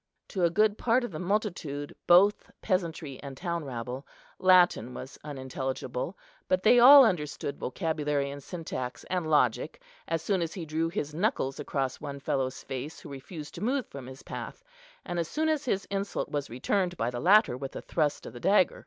To a good part of the multitude, both peasantry and town rabble, Latin was unintelligible; but they all understood vocabulary and syntax and logic, as soon as he drew his knuckles across one fellow's face who refused to move from his path, and as soon as his insult was returned by the latter with a thrust of the dagger.